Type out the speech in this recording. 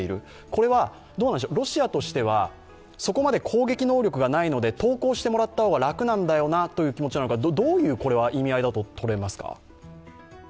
これはロシアとしてはそこまで攻撃能力がないので投降してもらった方が楽なんだよなという気持ちなのか、これはどういう意味合いだととれますか？